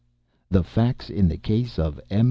THE FACTS IN THE CASE OF M.